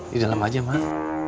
di dalam aja mak